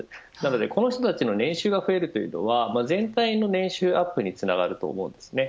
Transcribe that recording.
この人たちの年収が増えるというのは全体の年収アップにつながると思うんです。